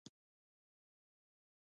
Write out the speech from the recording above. ایا ستاسو وخت ضایع نه شو؟